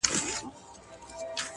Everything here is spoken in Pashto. یا هم د میسج له لاري مبارکي ورکړې